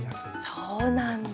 そうなんだ。